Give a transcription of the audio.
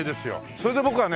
それで僕はね